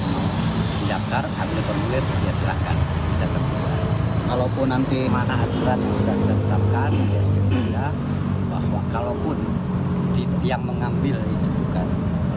maksimal tiga hari setelah pengambilan